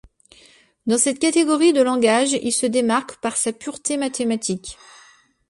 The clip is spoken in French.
Dans cette catégorie de langages, il se démarque par sa pureté mathématique.